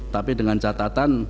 tapi dengan catatan